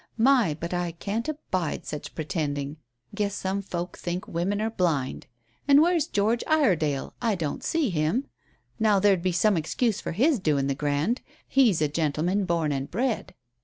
My, but I can't abide such pretending. Guess some folks think women are blind. And where's George Iredale? I don't see him. Now there'd be some excuse for his doing the grand. He's a gentleman born and bred."